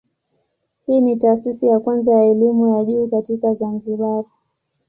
Hii ni taasisi ya kwanza ya elimu ya juu katika Zanzibar.